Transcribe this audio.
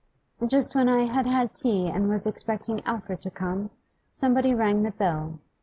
'Just when I had had tea and was expecting Alfred to come, somebody rang the bell.